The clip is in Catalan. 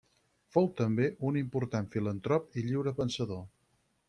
Fou també un important filantrop i lliurepensador.